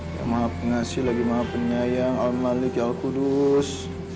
ya maaf pengasih lagi maaf penyayang al malik ya al kudus